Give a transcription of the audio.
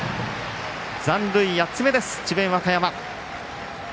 残塁８つ目です、智弁和歌山。